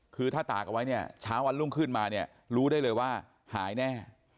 คือถ้าตากเอาไว้เนี่ยเช้าวันรุ่งขึ้นมาเนี่ยรู้ได้เลยว่าหายแน่